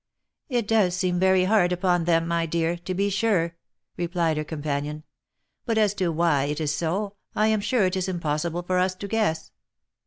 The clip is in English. " It does seem very hard upon them, my dear, to be sure," replied her companion ;" but as to why it is so, I am sure it is impossible for us to guess.